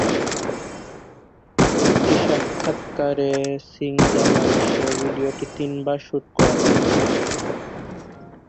একটি সাক্ষাত্কারে সিং জানান যে ভিডিওটি তিনবার শ্যুট করা হয়েছিল।